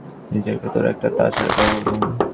মরিনহোর সঙ্গে কাজ করার সময়ে নিজের ভেতর একটা তাড়না কাজ করত।